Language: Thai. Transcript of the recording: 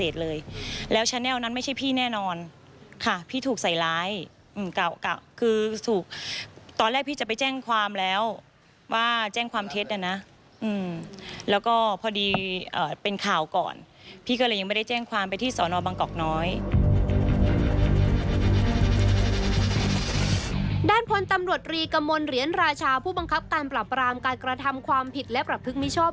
ด้านพลตำรวจรีกมลเหรียญราชาผู้บังคับการปรับรามการกระทำความผิดและประพฤติมิชอบ